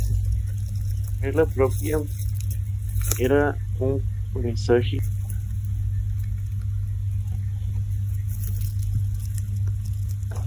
La aerolínea ofrece servicio gratuito de traslado desde San Diego.